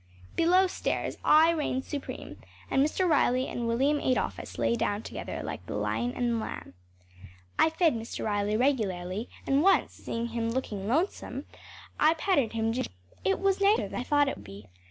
Below stairs I reigned supreme and Mr. Riley and William Adolphus lay down together like the lion and the lamb. I fed Mr. Riley regularly, and once, seeing him looking lonesome, I patted him gingerly. It was nicer than I thought it would be.